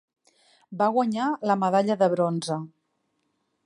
Va guanyar la medalla de bronze.